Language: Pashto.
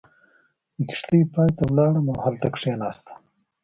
د کښتۍ پای ته ولاړم او هلته کېناستم.